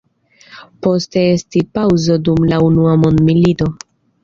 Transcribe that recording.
Poste estis paŭzo dum la unua mondmilito.